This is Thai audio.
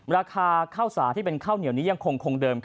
ราคาข้าวสาที่เป็นข้าวเหนียวนี้ยังคงเดิม